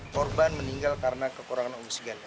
korban meninggal karena kekurangan oksigen